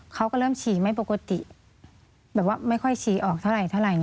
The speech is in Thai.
เขาก็เริ่มฉี่ไม่ปกติแบบว่าไม่ค่อยฉี่ออกเท่าไหร่